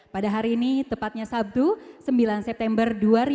pada hari ini tepatnya sabtu sembilan september dua ribu dua puluh